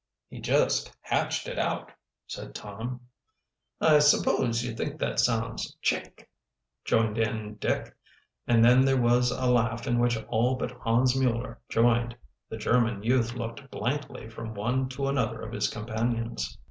"He just hatched it out," said Tom. "I suppose you think that sounds chic," joined in Dick. And then there was a laugh in which all but Hans Mueller joined. The German youth looked blankly from one to another of his companions.